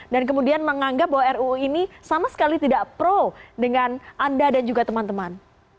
dan kemudian menganggap bahwa ruu ini sama sekali tidak pro dengan anda dan juga teman teman